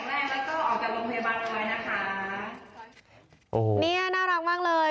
นะคะโอ้โหเนี่ยน่ารักมากเลย